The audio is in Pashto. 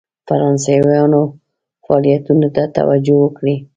فرانسویانو فعالیتونو ته توجه وکړي.